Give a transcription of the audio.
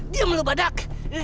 diem lo badak